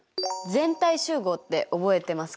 全体集合って覚えてますか？